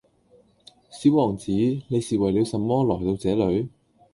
小王子，你是為了什麼來到這裏？